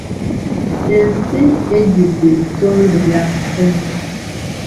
Ensi ejjudde ebitonde bya Katonda.